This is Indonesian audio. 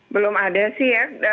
belum ada sih ya